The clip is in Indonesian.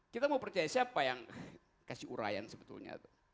kita mau percaya siapa yang kasih urayan sebetulnya